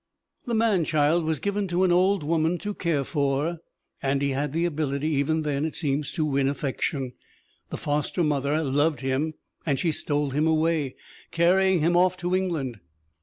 The man child was given to an old woman to care for, and he had the ability, even then, it seems, to win affection. The foster mother loved him and she stole him away, carrying him off to England.